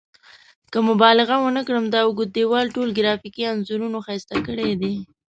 که مبالغه ونه کړم دا اوږد دیوال ټول ګرافیکي انځورونو ښایسته کړی دی.